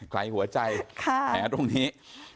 ใครหัวใจแหละตรงนี้